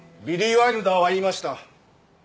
ビリー・ワイルダーは言いました。